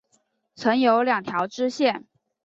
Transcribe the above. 曾有两条支线。